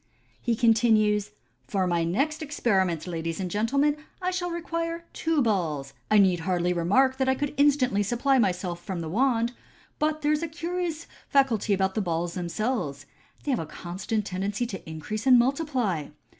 He continues, " For my next experiment, ladies and gentlemen, I shall require two balls. I need hardly remark that I could instantly supply myself from the wand ; but there is a curious faculty about the balls themselves j they have a constant tendency to increase and multiply.